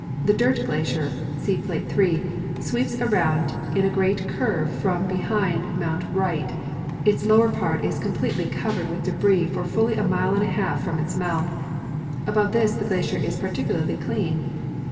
The Dirt glacier (see plate 3) sweeps around in a great curve from behind mount Wright ; its lower part is completely covered with debris for fully a mile and a half from its mouth ; above this the glacier is particularly clean.